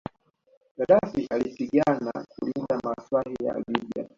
Gadaffi alipigana kulinda maslahi ya Libya